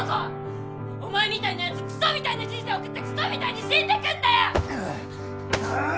お前みたいなやつくそみたいな人生送ってくそみたいに死んでくんだよ！